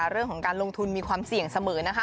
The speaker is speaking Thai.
เรื่องของการลงทุนมีความเสี่ยงเสมอนะคะ